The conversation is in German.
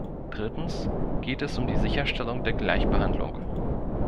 Drittens geht es um die Sicherstellung der Gleichbehandlung.